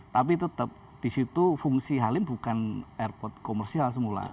tapi tetap di situ fungsi halim bukan airport komersial semula